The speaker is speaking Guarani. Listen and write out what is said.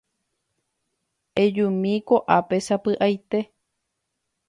Ejumi ko'ápe sapy'aite.